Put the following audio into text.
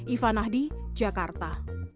iva nahdi jakarta